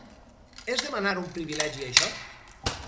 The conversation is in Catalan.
És demanar un privilegi això?